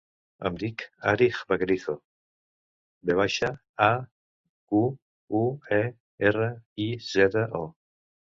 Em dic Arij Vaquerizo: ve baixa, a, cu, u, e, erra, i, zeta, o.